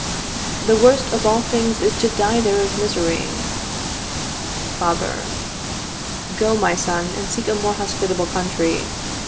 _ The worst of all things is to die there of misery. Father. Go, my son, and seek a more hospitable country.